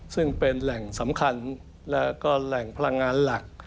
ซึ่งเป็นแหล่งสำคัญและก็แหล่งพลังงานหลัก